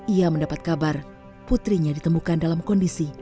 ia mendapat kabar putrinya ditemukan dalam kondisi